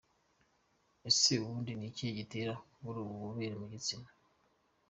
Ese ubundi ni iki gitera kubura ububobere mu gitsina?.